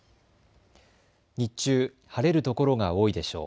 日中、晴れる所が多いでしょう。